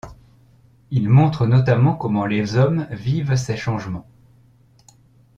Il montre notamment comment les hommes vivent ces changements.